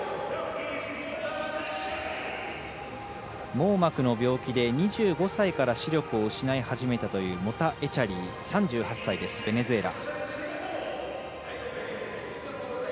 網膜の病気で、２５歳から視力を失い始めたというモタエチャリー、３８歳ベネズエラ。